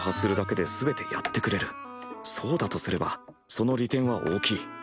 そうだとすればその利点は大きい。